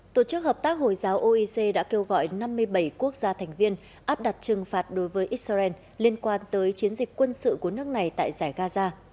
tổ chức hợp tác hồi giáo oec đã kêu gọi năm mươi bảy quốc gia thành viên áp đặt trừng phạt đối với israel liên quan tới chiến dịch quân sự của nước này tại giải gaza